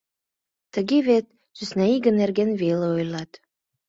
Тыге вет сӧснаиге нерген веле ойлат.